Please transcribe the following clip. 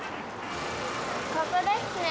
ここですね。